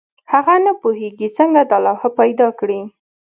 هغه نه پوهېږي څنګه دا لوحه پیدا کړي.